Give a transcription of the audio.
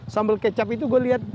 sambal kecap itu gue lihat